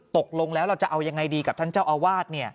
ตกลงแล้วเราจะเอายังไงดีกับท่านเจ้าอาวาส